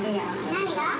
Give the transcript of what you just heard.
何が？